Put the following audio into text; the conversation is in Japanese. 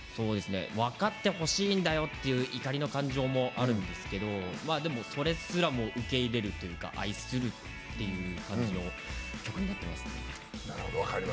分かってほしいんだよっていう怒りの感情もあるんですけどでも、それすらも受け入れるというか愛するっていう感じの曲になってます。